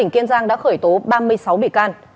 khởi tố ba mươi sáu bị can